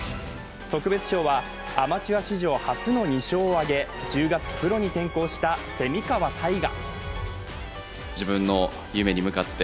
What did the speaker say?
特別賞は、アマチュア史上初の２勝を挙げ１０月、プロに転向した蝉川泰果。